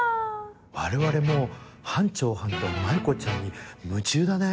我々もう班長はんと舞子ちゃんに夢中だね。